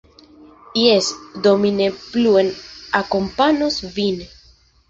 Jes, do mi ne pluen akompanos vin.